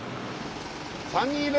３人いる！